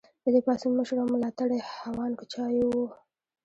د دې پاڅون مشر او ملاتړی هوانګ چائو و.